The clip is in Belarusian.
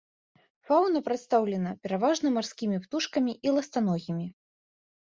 Фаўна прадстаўлена пераважна марскімі птушкамі і ластаногімі.